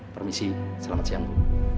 permisi selamat siang bu